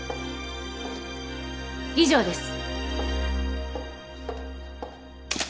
以上です。